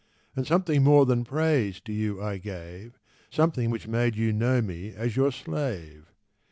And something more than praise to you I gave— Something which made you know me as your slave.